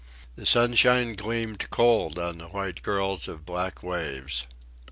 The sunshine gleamed cold on the white curls of black waves.